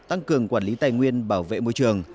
tăng cường quản lý tài nguyên bảo vệ môi trường